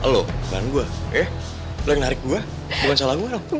lu ban gue eh lu yang narik gue bukan salah gue dong